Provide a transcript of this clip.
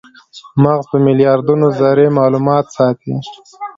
مغز په میلیاردونو ذرې مالومات ساتي.